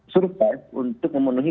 suruh pas untuk memenuhi